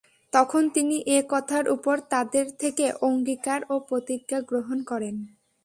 তখন তিনি এ কথার উপর তাদের থেকে অঙ্গীকার ও প্রতিজ্ঞা গ্রহণ করেন।